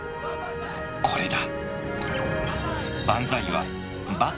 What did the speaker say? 「これだ」